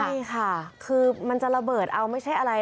ใช่ค่ะคือมันจะระเบิดเอาไม่ใช่อะไร